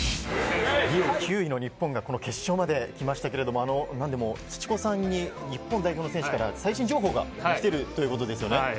９位の日本が決勝まで来ましたが、なんでも土子さんに日本代表の選手から最新情報が来ているということですよね。